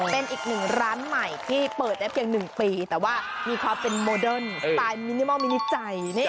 เป็นอีกหนึ่งร้านใหม่ที่เปิดได้เพียง๑ปีแต่ว่ามีความเป็นโมเดิร์นสไตล์มินิมอลมินิจัย